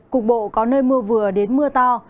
cục bộ có nơi mưa vừa đến mưa to